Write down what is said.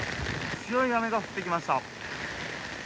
強い雨が降ってきました。